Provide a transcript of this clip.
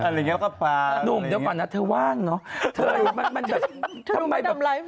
เดี๋ยวก่อนนะเธอว่างเนาะ